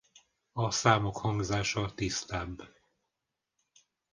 A számok hangzása tisztább.